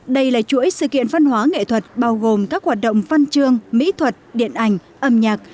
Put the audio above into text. đây là chuỗi sự kiện văn hóa nghệ thuật bao gồm các hoạt động văn chương mỹ thuật điện ảnh âm nhạc